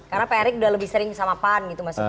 karena pak erik sudah lebih sering sama pan gitu maksudnya